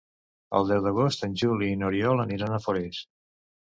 El deu d'agost en Juli i n'Oriol aniran a Forès.